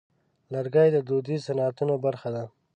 لرګی د دودیزو صنعتونو برخه ده.